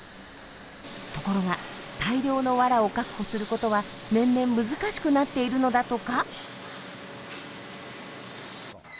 ところが大量のワラを確保することは年々難しくなっているのだとか。